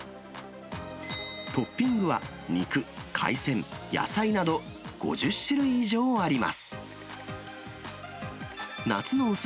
トッピングは肉、海鮮、野菜など５０種類以上あります。